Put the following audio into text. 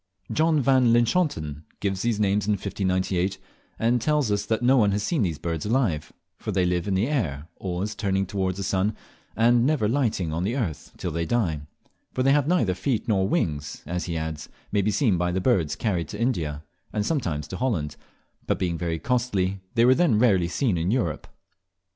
John van Linschoten gives these names in 1598, and tells us that no one has seen these birds alive, for they live in the air, always turning towards the sun, and never lighting on the earth till they die; for they have neither feet nor wings, as, he adds, may be seen by the birds carried to India, and sometimes to Holland, but being very costly they were then rarely seen in Europe.